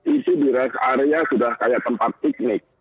itu di rest area sudah kayak tempat piknik